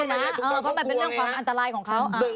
มันแบบเป็นของอันตรายของเขา